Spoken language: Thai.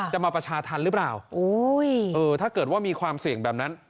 มาประชาธรรมหรือเปล่าถ้าเกิดว่ามีความเสี่ยงแบบนั้น